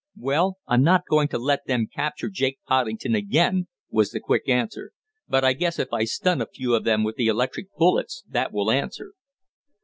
"Well, I'm not going to let them capture Jake Poddington again," was the quick answer, "but I guess if I stun a few of them with the electric bullets that will answer."